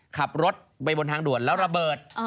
ขับรถไปบนทางด่วนแล้วระเบิด